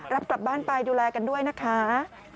รับกลับบ้านไปดูแลกันด้วยนะคะ